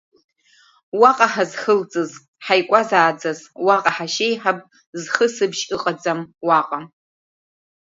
Уаҟа ҳазхылҵыз, ҳаикәазааӡаз уаҟа ҳашьеиҳаб зхысыбжь ыҟаӡам уаҟа!